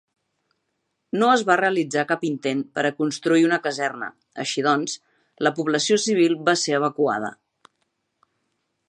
No es va realitzar cap intent per a construir una caserna, així doncs, la població civil va ser evacuada.